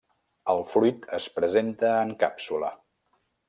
El fruit es presenta en càpsula.